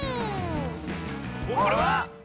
これは⁉